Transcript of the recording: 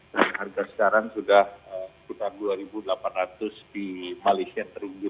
dan harga sekarang sudah sekitar rp dua delapan ratus di malaysia yang tertinggi